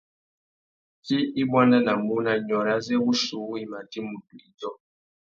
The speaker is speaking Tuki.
Tsi i buandanamú na nyôrê azê wuchiuwú i mà djï mutu idjô.